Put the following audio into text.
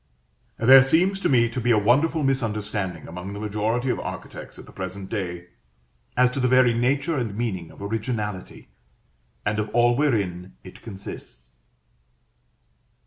There seems to me to be a wonderful misunderstanding among the majority of architects at the present day as to the very nature and meaning of Originality, and of all wherein it consists.